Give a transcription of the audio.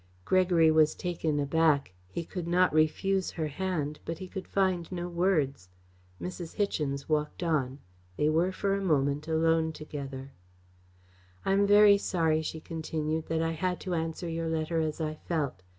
Gregory was taken aback. He could not refuse her hand, but he could find no words. Mrs. Hichens walked on. They were for a moment alone together. "I am very sorry," she continued, "that I had to answer your letter as I felt.